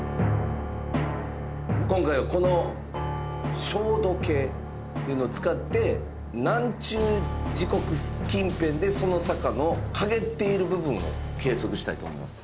今回はこの照度計というのを使って南中時刻近辺でその坂の陰っている部分を計測したいと思います。